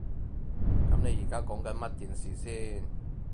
噉你而家講緊乜電視先？